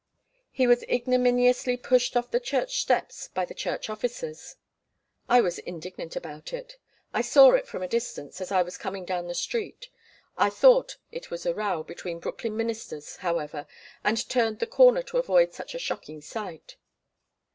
He was ignominiously pushed off the church steps by the church officers. I was indignant about it. (I saw it from a distance, as I was coming down the street.) I thought it was a row between Brooklyn ministers, however, and turned the corner to avoid such a shocking sight.